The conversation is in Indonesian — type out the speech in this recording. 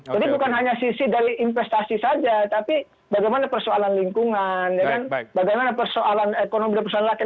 jadi bukan hanya sisi dari investasi saja tapi bagaimana persoalan lingkungan bagaimana ekonomi dan persoalan rakyat